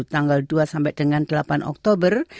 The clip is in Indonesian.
tanggal dua sampai dengan delapan oktober